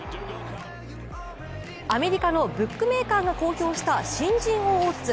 アメリカのブックメーカーが公表した新人王オッズ。